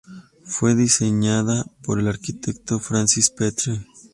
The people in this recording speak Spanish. Fue diseñada por el arquitecto Francis Petre.